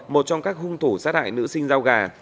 một trong các hung thủ sát hại nữ sinh giao gà